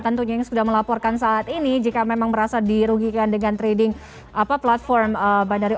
tentunya yang sudah melaporkan saat ini jika memang merasa dirugikan dengan trading platform binario